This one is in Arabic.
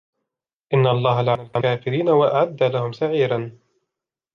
إِنَّ اللَّهَ لَعَنَ الْكَافِرِينَ وَأَعَدَّ لَهُمْ سَعِيرًا